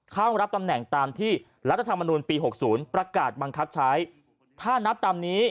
เข้ารับตำแหน่งตามที่รัฐธรรมนุนปี๖๐ประกาศบังคับใช้ถ้านับตามนี้